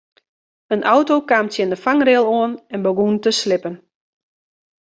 In auto kaam tsjin de fangrail oan en begûn te slippen.